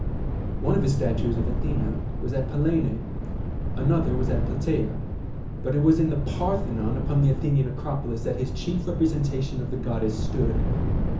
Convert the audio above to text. One of his statues of Athena was at Pellene, another was at Platasa; but it was in the Parthenon upon the Athenian Acropolis that his chief representation of the goddess stood.